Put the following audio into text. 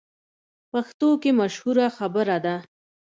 پښتو کې مشهوره خبره ده: